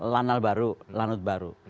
lanal baru lanut baru